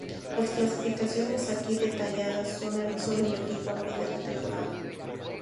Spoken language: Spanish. Las clasificaciones aquí detalladas son del equipo a fin de la temporada.